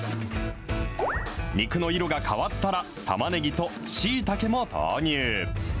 肉の色が変わったら、たまねぎとしいたけも投入。